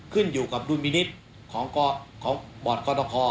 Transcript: ขึ้นอยู่กับรุ่นมินิตของบอร์ดกศ